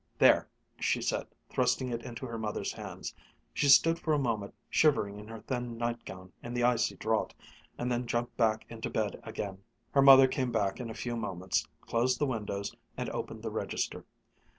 "There," she said, thrusting it into her mother's hands. She stood for a moment, shivering in her thin nightgown in the icy draught, and then jumped back into bed again. Her mother came back in a few moments, closed the windows, and opened the register.